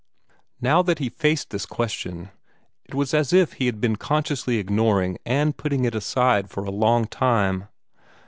Now that he faced this question, it was as if he had been consciously ignoring and putting it aside for a long time.